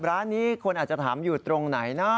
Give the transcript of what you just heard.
ร้านนี้คนอาจจะถามอยู่ตรงไหนนะ